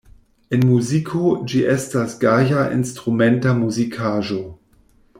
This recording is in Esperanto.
En muziko ĝi estas gaja instrumenta muzikaĵo.